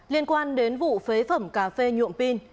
liên quan đến vụ phế phẩm cà phê nhuộm pin